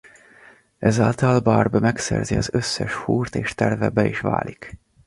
Ezáltal Barb megszerzi az összes húrt és terve be is válik.